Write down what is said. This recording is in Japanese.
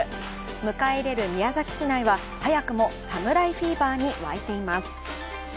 迎え入れる宮崎市内は、早くも侍フィーバーに沸いています。